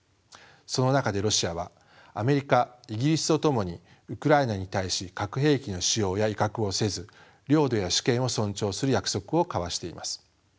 その中でロシアはアメリカイギリスと共にウクライナに対し核兵器の使用や威嚇をせず領土や主権を尊重する約束を交わしています。